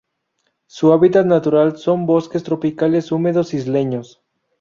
Su hábitat natural son bosques tropicales húmedos isleños.